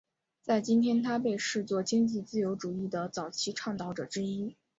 在今天他被视作经济自由主义的早期倡导者之一。